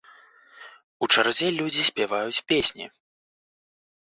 У чарзе людзі спяваюць песні.